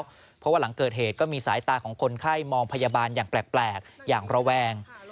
เพราะว่าหลังเกิดเหตุก็มีสายตาของคนไข้มองพยาบาลอย่างแปลกอย่างระแวง